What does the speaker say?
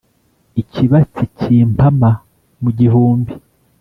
ikibatsi kimpama mu gihumbi